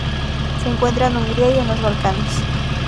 Se encuentra en Hungría y en los Balcanes.